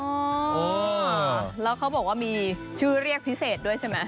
อ๋อแล้วเขาบอกว่ามีชื่อเรียกพิเศษด้วยใช่ไหม